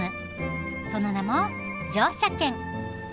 その名も「乗車券」。